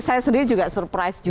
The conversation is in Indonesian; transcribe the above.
saya sendiri juga surprise